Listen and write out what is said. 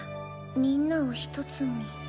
みんなを一つに。